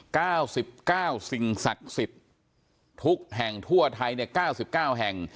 เก้าสิบเก้าสิ่งศักดิ์สิทธิ์ทุกแห่งทั่วไทยเนี่ยเก้าสิบเก้าแห่ง